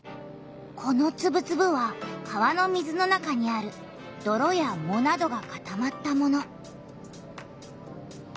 このつぶつぶは川の水の中にあるどろやもなどがかたまったもの。